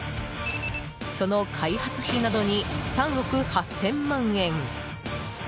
その開発費などに３億８０００万円。